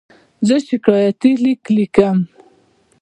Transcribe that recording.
زه شکایتي لیک لیکم.